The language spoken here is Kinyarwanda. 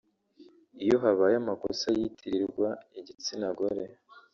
iyo habaye amakosa yitirirwa igitsina gore